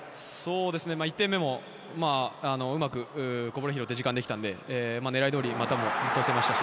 １点目もうまくこぼれを拾って時間ができたので狙い通り、股も通せましたし。